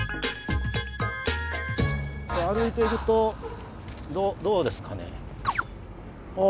歩いているとどうですかね？